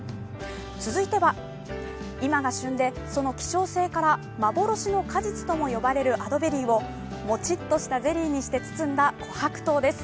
続いては今が旬でその希少性から幻の果実とも呼ばれるアドベリーをもちっとしたゼリーにして包んだ琥珀糖です。